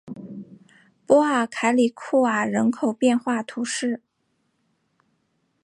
波尔凯里库尔人口变化图示